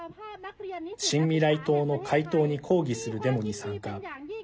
新未来党の解党に抗議するデモに参加。